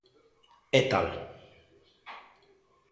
É tal.